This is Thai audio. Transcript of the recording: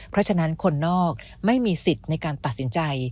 เพราะฉะนั้นคนนอกไม่มีสิทธิ์ในการตัดสินใจ